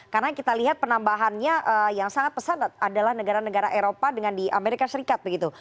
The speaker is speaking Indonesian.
karena kita lihat penambahannya yang sangat pesat adalah negara negara eropa dengan di amerika serikat begitu